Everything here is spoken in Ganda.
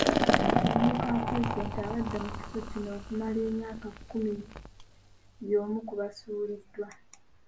Omumyuka wa Pulezidenti abadde mu kifo kino okumala emyaka kkumi y’omu ku basuuliddwa.